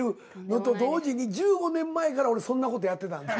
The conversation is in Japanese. のと同時に１５年前から俺そんな事やってたんだ。